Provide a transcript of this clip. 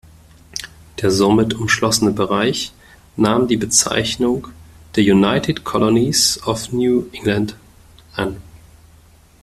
Der somit umschlossene Bereich nahm die Bezeichnung „The United Colonies of New England“ an.